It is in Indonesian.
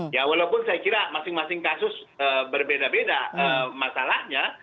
ya walaupun saya kira masing masing kasus berbeda beda masalahnya